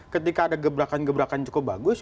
ketika ada gebrakan gebrakan cukup bagus